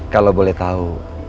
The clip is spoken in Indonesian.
kalau boleh tahu